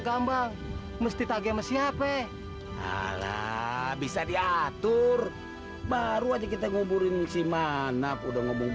gambang mesti tage mesiap eh ala bisa diatur baru aja kita nguburin si manap udah ngomong